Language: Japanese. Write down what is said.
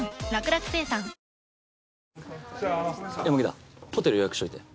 田ホテル予約しといて。